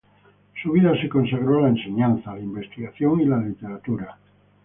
Su vida se consagró a la enseñanza, la investigación y la literatura.